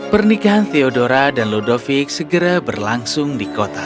pernikahan theodora dan ludovic segera berlangsung di kota